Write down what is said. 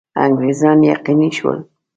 انګرېزان یقیني شول.